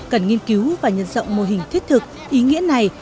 cần nghiên cứu và nhận rộng mô hình thiết thực ý nghĩa này